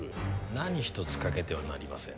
何一つ欠けてはなりません。